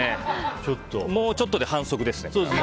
もうちょっとで反則ですね。